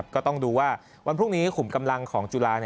ก็ต้องดูว่าวันพรุ่งนี้ขุมกำลังของจุฬา